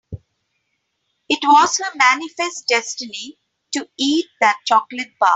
It was her manifest destiny to eat that chocolate bar.